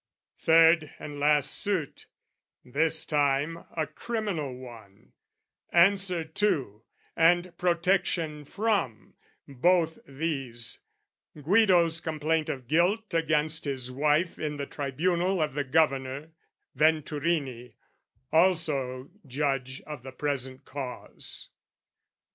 Third and last suit, this time, a criminal one, Answer to, and protection from, both these, Guido's complaint of guilt against his wife In the Tribunal of the Governor, Venturini, also judge of the present cause.